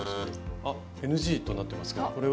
あＮＧとなってますけどこれは？